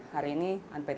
masih terombang ambing